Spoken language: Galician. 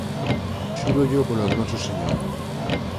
Xúrollo polo Noso Señor!...